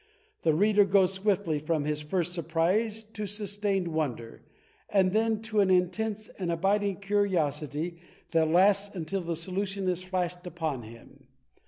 The reader goes swiftly from his first surprise to sustained wonder, and then to an intense and abiding curiosity that lasts until the solution is flashed upon him.